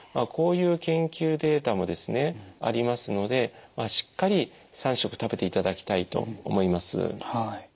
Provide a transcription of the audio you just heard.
こういう研究データもですねありますのでしっかり３食食べていただきたいと思います。